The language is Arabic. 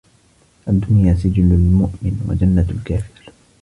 الدنيا سجن المؤمن وجنة الكافر